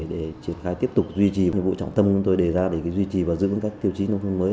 để triển khai tiếp tục duy trì nhiệm vụ trọng tâm chúng tôi đề ra để duy trì và giữ vững các tiêu chí nông thôn mới